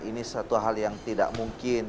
ini satu hal yang tidak mungkin